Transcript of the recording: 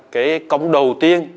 cái cống đầu tiên